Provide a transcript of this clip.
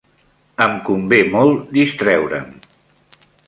Em convé molt distreure'm.